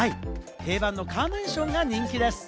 定番のカーネーションが人気です。